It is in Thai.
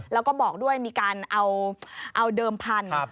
แล้วก็บอกด้วยมีการเอาเดิมพันธุ์